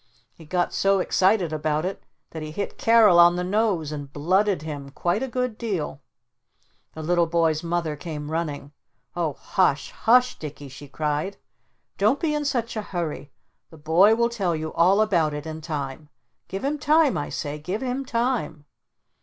He got so excited about it that he hit Carol on the nose and blooded him quite a good deal. The little boy's mother came running. "Oh hush hush, Dicky!" she cried. "Don't be in such a hurry! The boy will tell you all about it in time! Give him time I say! Give him time!"